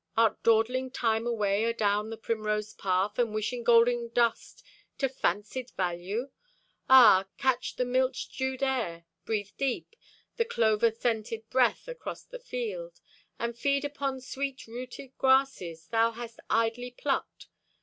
Art dawdling time away adown the primrose path And wishing golden dust to fancied value? Ah, catch the milch dewed air, breathe deep The clover scented breath across the field, And feed upon sweet rooted grasses Thou hast idly plucked.